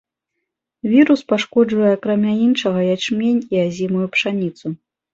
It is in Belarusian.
Вірус пашкоджвае акрамя іншага ячмень і азімую пшаніцу.